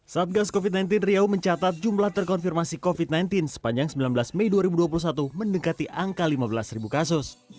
satgas covid sembilan belas riau mencatat jumlah terkonfirmasi covid sembilan belas sepanjang sembilan belas mei dua ribu dua puluh satu mendekati angka lima belas kasus